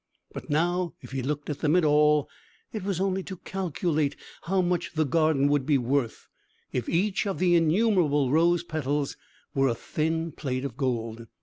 But now, if he looked at them at all, it was only to calculate how much the garden would be worth if each of the innumerable rose petals were a thin plate of gold.